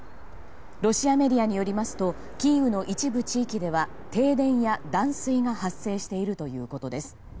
ロシアメディアによりますとキーウの一部地域では停電や断水が発生しているということです。